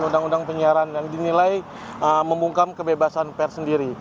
dan dipercaya dengan kebebasan pers